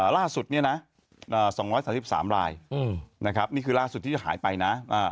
ล่าสุดเนี่ยนะ๒๓๓รายนะครับนี่คือล่าสุดที่หายไปนะ